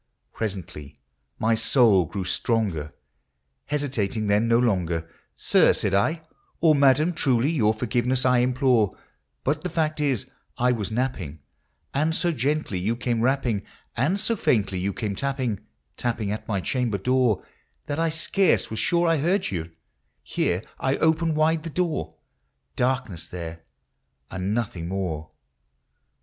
Presently my soul grew stronger ; hesitating then no longer, " Sir," said I, " or madam, truly your forgiveness I implore ; MYTHICAL: LEGENDARY. 157 But the fact is, I was napping, and so gently you came rapping, And so faintly you came tapping, tapping at my chamber door, That I scarce was sure I heard you "— Here I opened wide the door ; Darkness there, and nothing more.